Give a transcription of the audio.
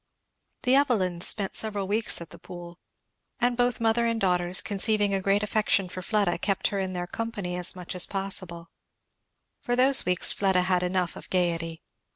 The Evelyns spent several weeks at the Pool; and both mother and daughters conceiving a great affection for Fleda kept her in their company as much as possible For those weeks Fleda had enough of gayety.